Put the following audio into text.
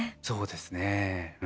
そうですね。